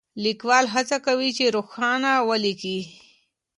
ليکوال هڅه کوي چې روښانه وليکي.